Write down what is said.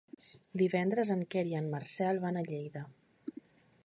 Divendres en Quer i en Marcel van a Lleida.